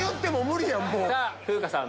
さぁ風花さん